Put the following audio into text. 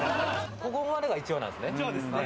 ここまでが１話なんですね。